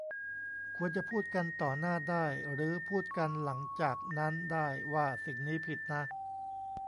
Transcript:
ควรจะพูดกันต่อหน้าได้หรือพูดกันหลังจากนั้นได้ ว่าสิ่งนี้ผิดนะ